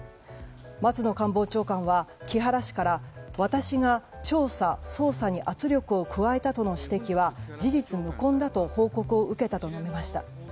松野官房長官は木原氏から私が調査・捜査に圧力を加えたとの指摘は事実無根だと報告を受けたと述べました。